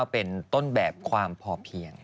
เป็นต้นแบบความพอเพียง